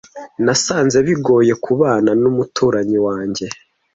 Nasanze bigoye kubana n'umuturanyi wanjye.